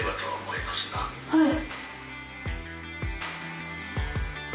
はい。